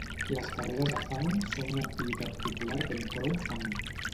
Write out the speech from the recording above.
Les carreres de fang són una activitat popular que inclou fang.